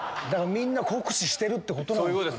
みんな酷使してるってこと。